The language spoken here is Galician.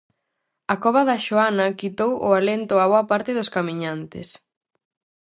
A cova da Xoana quitou o alento a boa parte dos camiñantes.